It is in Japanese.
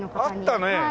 あったね！